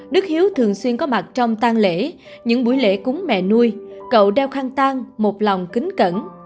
đức hiếu thường xuyên có mặt trong tan lễ những buổi lễ cúng mẹ nuôi cậu đeo khăn tan một lòng kính cẩn